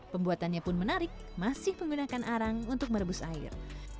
pembuatannya pun menarik masih menggunakan arang untuk merebus air